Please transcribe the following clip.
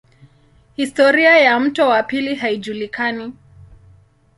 Historia ya mto wa pili haijulikani.